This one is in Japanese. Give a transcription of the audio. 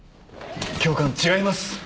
教官違います。